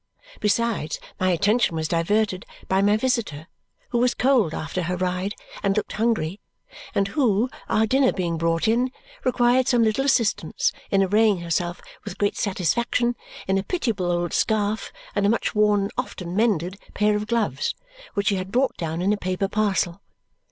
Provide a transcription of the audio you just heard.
Besides, my attention was diverted by my visitor, who was cold after her ride and looked hungry and who, our dinner being brought in, required some little assistance in arraying herself with great satisfaction in a pitiable old scarf and a much worn and often mended pair of gloves, which she had brought down in a paper parcel.